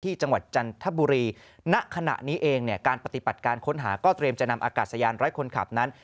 จังหวัดจันทบุรีณขณะนี้เองเนี่ยการปฏิบัติการค้นหาก็เตรียมจะนำอากาศยานไร้คนขับนั้น